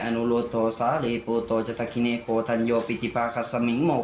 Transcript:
นี่คือสอนอนให้ตำรวจฟังเหรอ